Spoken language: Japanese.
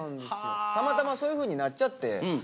たまたまそういうふうになっちゃって。